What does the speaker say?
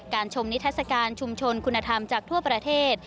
ชมนิทัศกาลชุมชนคุณธรรมจากทั่วประเทศ